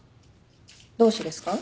どうしてですか？